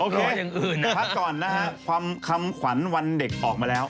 พักก่อนนะฮะคำขวัญวันเด็กออกมาแล้ว